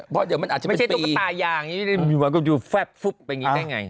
เพราะเดี๋ยวมันอาจจะเป็นปีอย่างนี้มันอยู่แฟล็กปุ๊บไปอย่างนี้ได้ไง